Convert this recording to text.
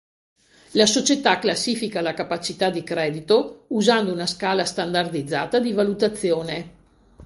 La società classifica la capacità di credito usando una scala standardizzata di valutazione.